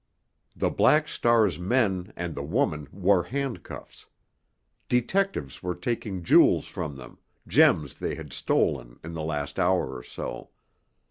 The Black Star's men and the woman wore handcuffs. Detectives were taking jewels from them, gems they had stolen in the last hour or so.